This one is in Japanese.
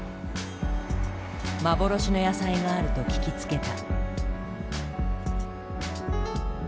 幻の野菜があると聞きつけた。